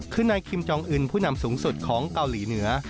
คือนายคิมจองอื่นผู้นำสูงสุดของเกาหลีเหนือ